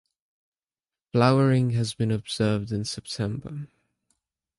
Flowering has been observed in September.